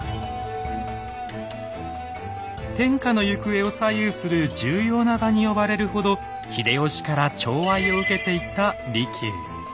天下の行方を左右する重要な場に呼ばれるほど秀吉から寵愛を受けていた利休。